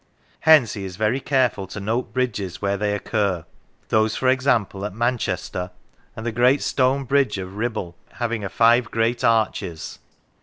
Hence he is very careful to note bridges where they occur; those, for example, at Manchester, and "the great stone bridge of Kibble having a five great arches."